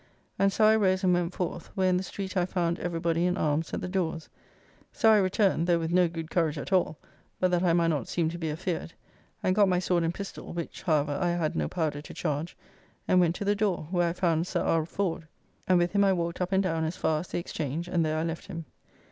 And so I rose and went forth; where in the street I found every body in arms at the doors. So I returned (though with no good courage at all, but that I might not seem to be afeared), and got my sword and pistol, which, however, I had no powder to charge; and went to the door, where I found Sir R. Ford, and with him I walked up and down as far as the Exchange, and there I left him.